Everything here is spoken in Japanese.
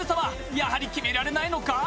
やはり決められないのか？